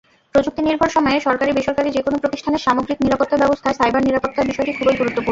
প্রযুক্তিনির্ভর সময়ে সরকারি-বেসরকারি যেকোনো প্রতিষ্ঠানের সামগ্রিক নিরাপত্তা ব্যবস্থায় সাইবার নিরাপত্তার বিষয়টি খুবই গুরুত্বপূর্ণ।